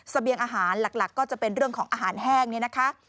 เสบียงอาหารหลักก็จะเป็นเรื่องของอาหารแห้งเนี่ยนะคะ